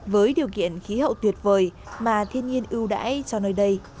với điều kiện khí hậu tuyệt vời mà thiên nhiên ưu đãi cho nơi đây